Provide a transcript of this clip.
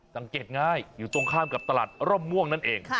สังเกตง่ายอยู่ตรงข้ามกับตลาดร่มม่วงนั่นเอง